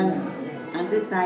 ăn tới tây ăn tới tây